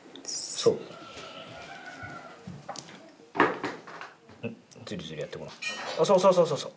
そうそうそうそうそう。